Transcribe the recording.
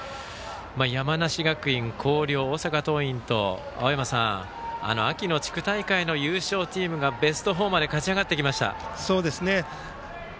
山梨学院、広陵、大阪桐蔭と秋の地区大会の優勝チームがベスト４まで勝ち上がってきました。